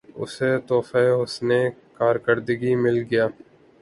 اسے تحفہِ حسنِ کارکردگی مل گیا